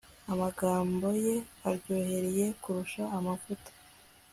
amagambo ye aryohereye kurusha amavuta